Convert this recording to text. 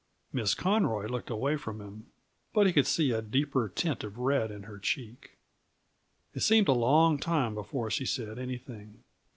Miss Conroy looked away from him, but he could see a deeper tint of red in her cheek. It seemed a long time before she said anything.